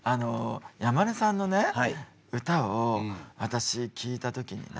山根さんのね歌を私聴いた時にね